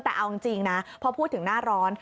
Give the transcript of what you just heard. แต่เอาจริงนะพอพูดถึงหน้าร้อน